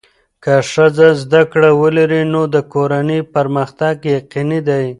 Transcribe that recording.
که ښځه زده کړه ولري، نو د کورنۍ پرمختګ یقیني دی.